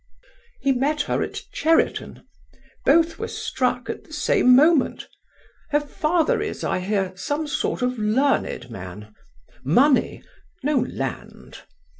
He met her at Cherriton. Both were struck at the same moment. Her father is, I hear, some sort of learned man; money; no land.